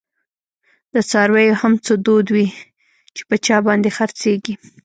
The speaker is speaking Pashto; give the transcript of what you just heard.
د څارویو هم څه دود وی، چی په چا باندي خر څیږی